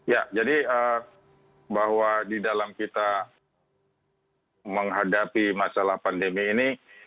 ya jadi bahwa di dalam kita menghadapi masalah pandemi ini